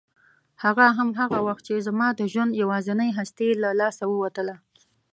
هغه هم هغه وخت چې زما د ژوند یوازینۍ هستي له لاسه ووتله.